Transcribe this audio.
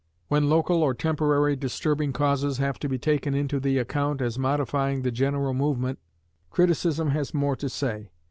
When local or temporary disturbing causes have to be taken into the account as modifying the general movement, criticism has more to say.